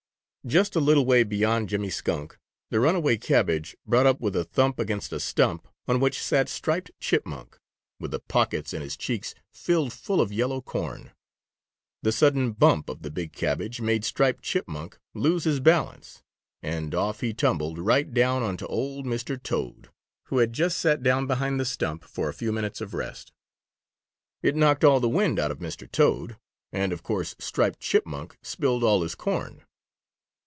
Just a little way beyond Jimmy Skunk the runaway cabbage brought up with a thump against a stump on which sat Striped Chipmunk, with the pockets in his cheeks filled full of yellow corn. The sudden bump of the big cabbage made Striped Chipmunk lose his balance, and off he tumbled, right down on to old Mr. Toad, who had just sat down behind the stump for a few minutes of rest. It knocked all the wind out of Mr. Toad, and of course Striped Chipmunk spilled all his corn.